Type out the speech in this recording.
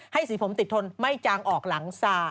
สีผมติดทนไม่จางออกหลังซา